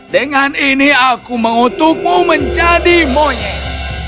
dengan ini aku mengutukmu menjadi monyet